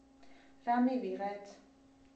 რა მივიღეთ?